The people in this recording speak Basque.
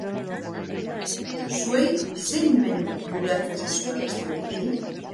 Zuei, zein menu bururatzen zaizue abesti horiekin?